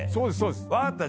分かった。